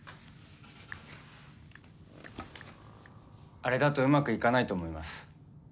あれだとうまくいかないと思います。